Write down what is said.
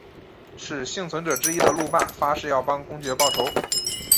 使幸存者之一的路霸发誓要帮公爵报仇。